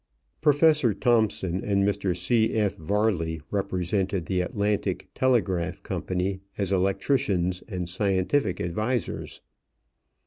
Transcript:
Professor Thomson and Mr. C.F. Varley represented the Atlantic Telegraph Company as electricians and scientific advisers.